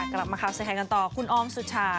กลับมาค่ะสัยแขนกันต่อคุณออมสุชา